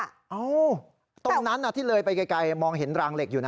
ตรงนั้นที่เลยไปไกลมองเห็นรางเหล็กอยู่นะ